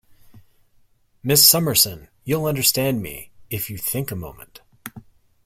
Miss Summerson, you'll understand me, if you think a moment.